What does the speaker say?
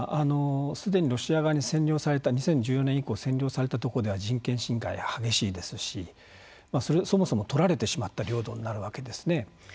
すでにロシア側に２０１４年以降に占領されたところ人権侵害が激しいですしそもそもとられてしまった領土になるわけですね。